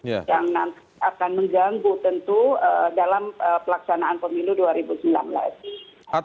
yang nanti akan mengganggu tentu dalam pelaksanaan pemilu dua ribu sembilan belas